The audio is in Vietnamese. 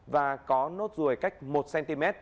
và có nốt ruồi cách một cm